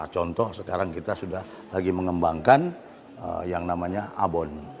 contoh sekarang kita sudah lagi mengembangkan yang namanya abon